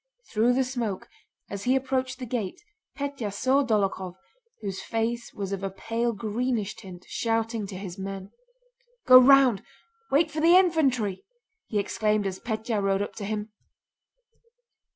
Through the smoke, as he approached the gate, Pétya saw Dólokhov, whose face was of a pale greenish tint, shouting to his men. "Go round! Wait for the infantry!" he exclaimed as Pétya rode up to him.